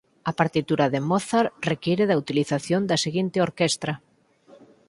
A partitura de Mozart require da utilización da seguinte orquestra.